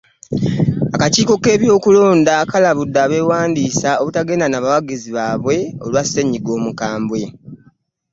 Akakiiko k'ebyokulonda kalabudde abeewandiisa obutagenda na bawagizi baabwe olwa ssenyiga Omukambwe